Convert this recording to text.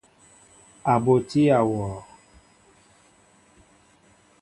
A ɓotí awɔɔ.